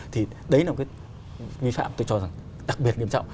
thì đấy là cái nguy phạm tôi cho rằng đặc biệt nghiêm trọng